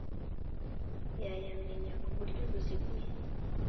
yayamenye ku buryo buziguye